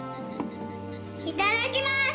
いただきます！